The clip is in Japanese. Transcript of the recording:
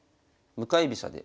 向かい飛車で。